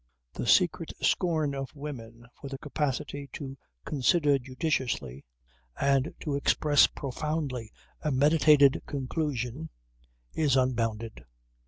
The secret scorn of women for the capacity to consider judiciously and to express profoundly a meditated conclusion is unbounded.